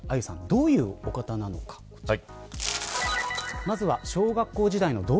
どういうお方なのか、こちら。